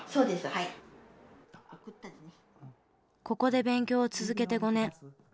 ここで勉強を続けて５年。